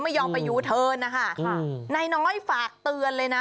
ไม่ยอมไปยูเทิร์นนะคะค่ะนายน้อยฝากเตือนเลยนะ